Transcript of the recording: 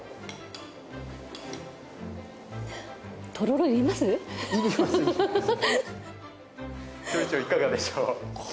料理長いかがでしょう？